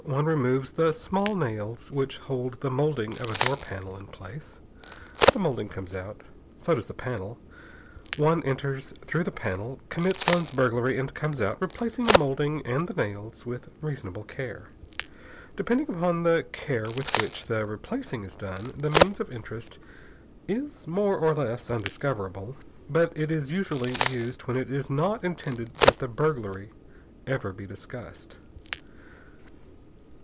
One removes the small nails which hold the molding of a door panel in place. The molding comes out. So does the panel. One enters through the panel, commits one's burglary, and comes out, replacing the molding and the nails with reasonable care. Depending upon the care with which the replacing is done, the means of entrance is more or less undiscoverable. But it is usually used when it is not intended that the burglary ever be discussed.